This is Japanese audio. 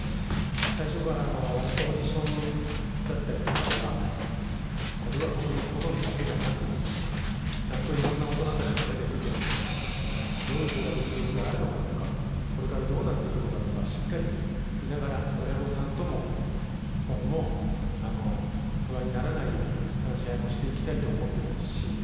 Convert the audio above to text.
最初からオーディションだったりとかは例えば僕の好みだけじゃなくいろんな大人たちの目で見てどういう子が実力があるのかとかこれからどうなっていくのかとかしっかり見ながら親御さんとも今後も不安にならないように話し合いもしていきたいと思っていますし。